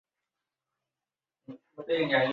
大黑屋光太夫在以伊势国白子。